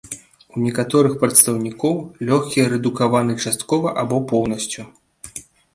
У некаторых прадстаўнікоў лёгкія рэдукаваны часткова або поўнасцю.